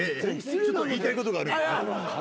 ちょっと言いたいことがある。